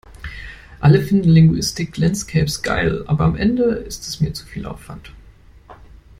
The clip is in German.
Alle finden Linguistic Landscapes geil, aber am Ende ist es mir zu viel Aufwand.